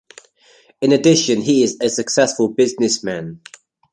In addition he is a successful businessman.